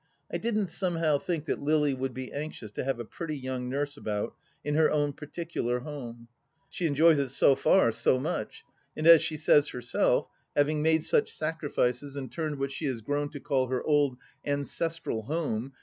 I didn't somehow think that Lily would be anxious to have a pretty young nurse about in her own particular Home. She enjoys it so far, so much ; and as she says herself, having made such sacrifices and turned what she has grown to call her " old ancestral home